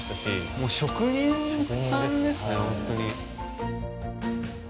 もう職人さんですね、本当に。